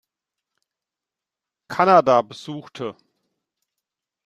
Kanada besuchte.